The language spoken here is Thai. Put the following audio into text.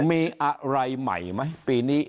มีอะไรใหม่ไหมปีนี้